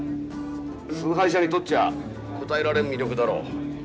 崇拝者にとっちゃこたえられん魅力だろう。